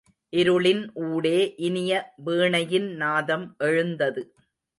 இருளின் ஊடே இனிய வீணையின் நாதம் எழுந்தது.